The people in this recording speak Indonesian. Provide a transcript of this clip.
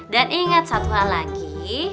dan inget satu hal lagi